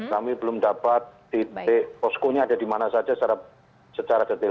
kami belum dapat titik poskonya ada di mana saja secara detail